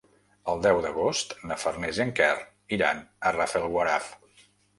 El deu d'agost na Farners i en Quer iran a Rafelguaraf.